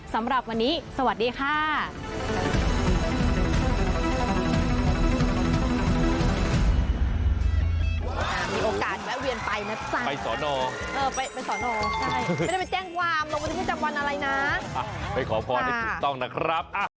สำหรับวันนี้สวัสดีค่ะ